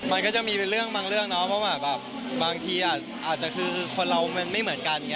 มันก็จะมีเรื่องบางเรื่องเนอะบางทีเค้าเรามันไม่เหมือนกัน